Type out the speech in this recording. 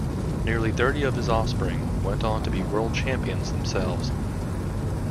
Nearly thirty of his offspring went on to be World Champions themselves.